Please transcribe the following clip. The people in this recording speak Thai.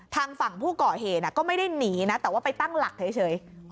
ทางฝั่งผู้ก่อเหตุก็ไม่ได้หนีนะแต่ว่าไปตั้งหลักเฉย